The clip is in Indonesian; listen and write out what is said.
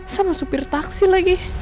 sama supir taksi lagi